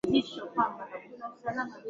Wapendwa msife moyo kwani tunaye Mungu.